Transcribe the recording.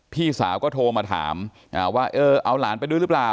พี่สาวก็โทรมาถามว่าเออเอาหลานไปด้วยหรือเปล่า